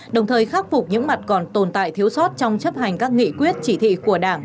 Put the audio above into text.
đồng thời khắc phục những mặt còn tồn tại thiếu sót trong chấp hành các nghị quyết chỉ thị của đảng